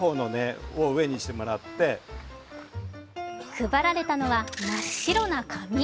配られたのは真っ白な紙。